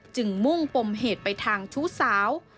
มุ่งปมเหตุไปทางชู้สาว